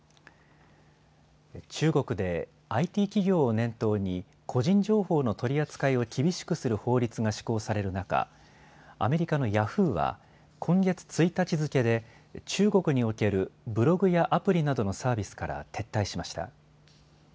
中国でＩＴ企業を念頭に個人情報の取り扱いを厳しくする法律が施行される中、アメリカのヤフーは今月１日付けで中国におけるブログやアプリなどのサービスから撤退しました。